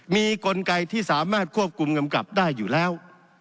มีกลไกที่สามารถควบคุมกำกับได้อยู่แล้ว